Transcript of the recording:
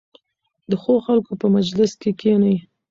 د ښو خلکو په مجلس کې کښېنئ.